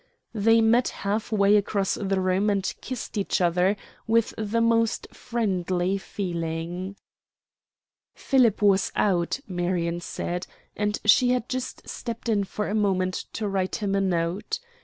They met half way across the room and kissed each other with the most friendly feeling. Philip was out, Marion said, and she had just stepped in for a moment to write him a note.